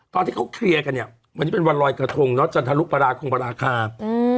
ตอนที่เขาเคลียร์กันเนี่ยวันนี้เป็นวันลอยกระทงเนอะจันทรุปราคงปราคาอืม